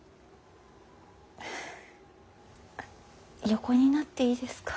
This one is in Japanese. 横になっていいですか。